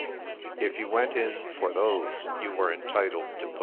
If you went in for those, you were entitled to put " P.